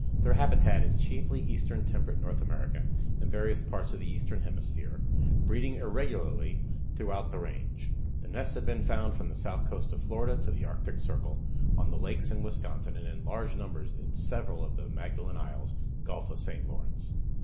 Their habitat is chiefly eastern temperate North America and various parts of the eastern hemisphere, breeding irregularly throughout the range. The nests have been found from the south coast of Florida to the Arctic circle, on the lakes in Wisconsin, and in large numbers in several of the Magdalen Isles, Gulf of St. Lawrence.